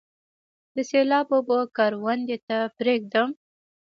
د سیلاب اوبه کروندې ته پریږدم؟